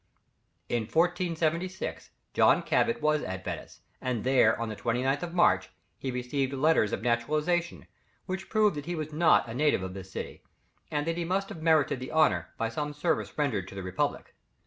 In 1476, John Cabot was at Venice, and there on the 29th of March, he received letters of naturalization, which prove that he was not a native of this city, and that he must have merited the honour by some service rendered to the Republic.